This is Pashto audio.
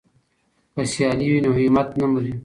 که سیالي وي نو همت نه مري.